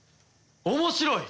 面白い！